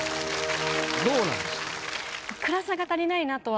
どうなんですか？